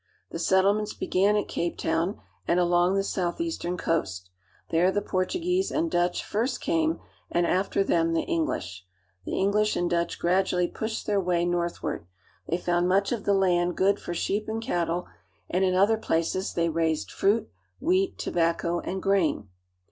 The settlements began at Cape Town and along the southeastern coast; there the Portuguese and Dutch first came, and after them the English. The English and Dutch gradually pushed their way northward. They found much of the land good for sheep and cattle, and in other places they raised fruit, wheat, tobacco, and grain.